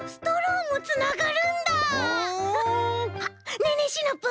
ねえねえシナプー。